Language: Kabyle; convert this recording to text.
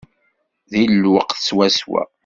Deg lweqt swaswa!